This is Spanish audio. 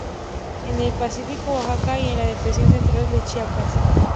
En el Pacífico Oaxaca y en la Depresión Central de Chiapas.